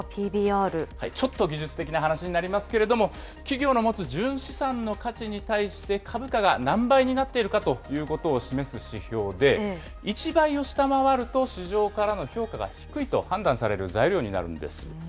ちょっと技術的な話になりますけれども、企業の持つ純資産の価値に対して株価が何倍になっているかということを示す指標で、１倍を下回ると市場からの評価が低いと判断される材料になるんです。